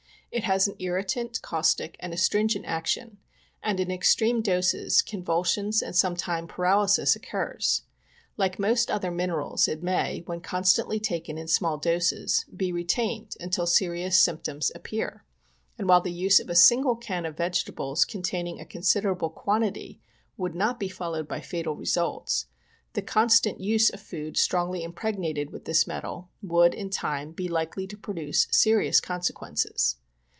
It has an irritant, caustic and astringent action ; and in extreme doses, convulsions, and sometime paralysis, occurs. Like most other minerals it may, when constantly taken in small doses, be retained till serious symptoms appear, and while the use of a single can of vegetables containing a considerable quan tity would not be followed by fatal results, the constant use of food strongly impregnated with this metal would, in time, be likely to produce serious consequences.